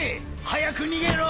早く逃げろ！